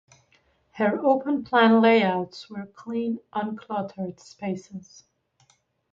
Her open-plan layouts were clean, uncluttered spaces.